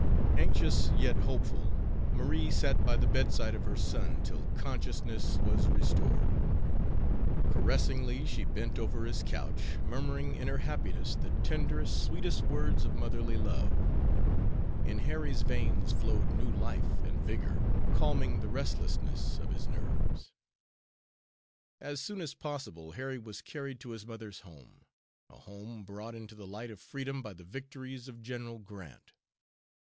Anxious, yet hopeful, Marie sat by the bedside of her son till consciousness was restored. Caressingly she bent over his couch, murmuring in her happiness the tenderest, sweetest words of motherly love. In Harry's veins flowed new life and vigor, calming the restlessness of his nerves. As soon as possible Harry was carried to his mother's home; a home brought into the light of freedom by the victories of General Grant.